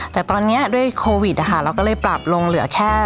แต่ตอนนี้ด้วยโควิดเราก็เลยปรับลงเหลือแค่